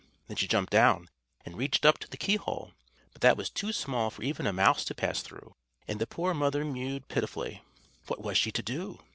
Then she jumped down and reached up to the keyhole, but that was too small for even a mouse to pass through, and the poor mother mewed pitifully. What was she to do?